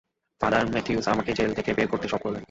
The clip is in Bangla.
ফাদার মেথিউস আমাকে জেল থেকে বের করতে সব করলেন।